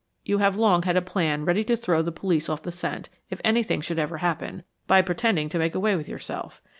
You have long had a plan ready to throw the police off the scent, if anything should ever happen, by pretending to make away with yourself.